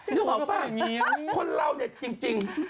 นี่บอกว่าเปล่าคนเราจริง